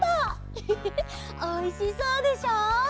ウフフフおいしそうでしょ？